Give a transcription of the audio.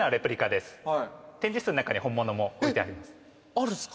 あるんすか？